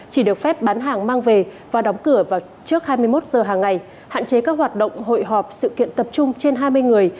chỉ được phép bán hàng mang về và đóng cửa vào trước hai mươi một giờ hàng ngày hạn chế các hoạt động hội họp sự kiện tập trung trên hai mươi người